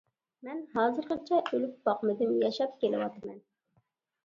مەن ھازىرغىچە ئۆلۈپ باقمىدىم، ياشاپ كېلىۋاتىمەن.